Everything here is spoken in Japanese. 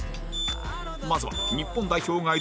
まずは日本代表が挑む